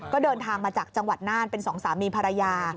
ก็เดินทางมาจากจังหวัดน่านเป็นสองสามีภรรยา